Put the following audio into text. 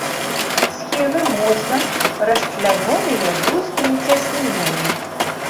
Схілы моцна расчлянёныя вузкімі цяснінамі.